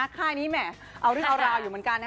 ค่ายนี้แหมเอาเรื่องเอาราวอยู่เหมือนกัน